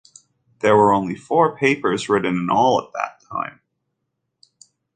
There were only four papers written in all at that time.